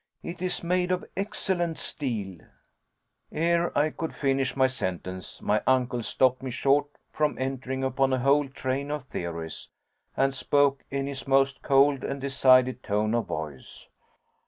It is made of excellent steel " Ere I could finish my sentence, my uncle stopped me short from entering upon a whole train of theories, and spoke in his most cold and decided tone of voice.